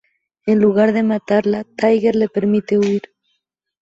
En lugar de matarla, Tiger le permite huir.